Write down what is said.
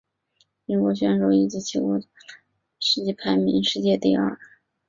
英国选手也以其国家纪录排名世界第二。